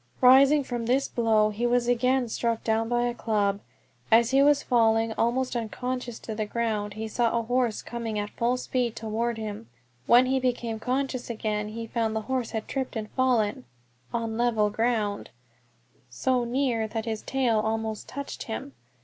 Rising from this blow, he was again struck down by a club. As he was falling almost unconscious to the ground he saw a horse coming at full speed toward him; when he became conscious again he found the horse had tripped and fallen (on level ground) so near that its tail almost touched him.